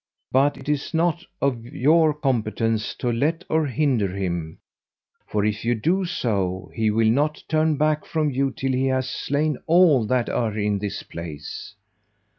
But 'tis not of your competence to let or hinder him; for if you do so, he will not turn back from you till he hath slain all that are in this place.